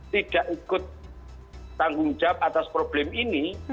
tidak ikut tanggung jawab atas problem ini